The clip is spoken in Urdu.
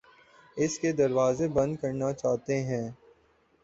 اس کے دروازے بند کرنا چاہتے ہیں